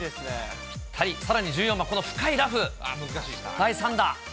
さらに１４番、この深いラフ、第３打。